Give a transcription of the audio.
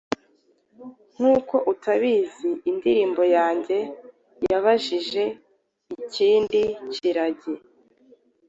Nkuko utabizi, Indirimbo yanjye yabajije ikindi kiragi,